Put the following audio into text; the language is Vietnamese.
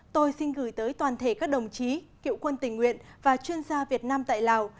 tôi xin gửi tới toàn thể các đồng chí cựu quân tình nguyện và chuyên gia việt nam tại lào